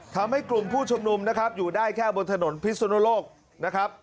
ทำให้กลุ่มผู้ชุมนุมนะครับอยู่ได้แค่บนถนนพิสุนโลกนะครับ